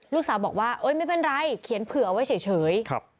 ลูกสาวบอกว่าไม่เป็นไรเขียนเผื่อไว้เฉย